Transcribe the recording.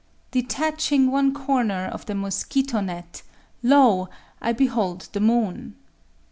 —"_Detaching one corner of the mosquito net, lo! I behold the moon!